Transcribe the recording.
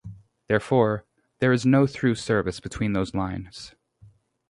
Therefore, there is no through service between those lines.